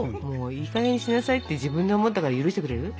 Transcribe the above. いいかげんにしなさいって自分で思ったから許してくれる？